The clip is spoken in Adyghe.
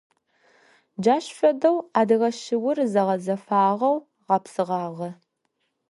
Джащ фэдэу адыгэ шыур зэгъэзэфагъэу гъэпсыгъагъэ.